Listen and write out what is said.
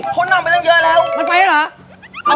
เขานำไปตั้งเยอะแล้วมันไปแล้วเหรอ